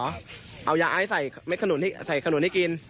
ด้วยยาไอศ์ใส่ขนุนเม็ดสนิดนึงให้กิน